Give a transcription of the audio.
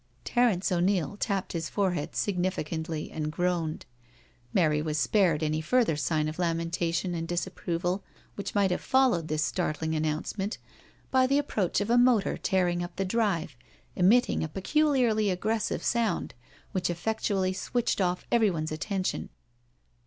•• Terence O'Neil tapped his forehead significantly and groaned. Mary was spared any further sign of lamen tation and disapproval which might have followed this startling announcement by the approach of a motor tearing up the drive, emitting a peculiarly aggressive sound, which effectually switched off everyone's attention.